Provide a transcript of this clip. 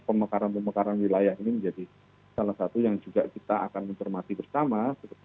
pemekaran pemekaran wilayah ini menjadi salah satu yang juga kita akan mencermati bersama